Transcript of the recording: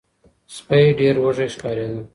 سپی ډیر وږی ښکاریده.